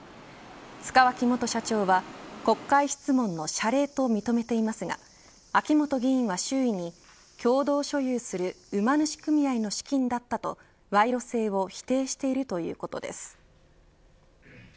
塚脇元社長は国会質問の謝礼と認めていますが秋本議員は周囲に共同所有するうまぬし組合の資金だったと賄賂性を否定しているということです。